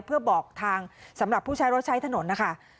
เพื่อบอกทางสำหรับผู้ใช้รถใช้ถนนนะคะ